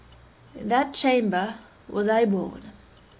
In that chamber was I born.